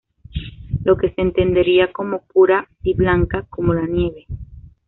Lo que se entendería como "pura y blanca como la nieve".